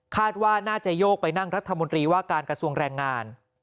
ว่าน่าจะโยกไปนั่งรัฐมนตรีว่าการกระทรวงแรงงาน